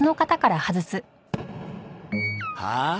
はあ？